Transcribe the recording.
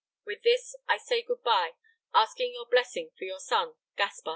With this I say good bye, asking your blessing for your son, GASPAR.